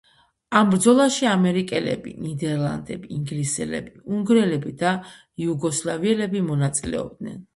ამ ბრძოლაში ამერიკელები, ნიდერლანდელები, ინგლისელები, უნგრელები და იუგოსლავიელები მონაწილეობდნენ.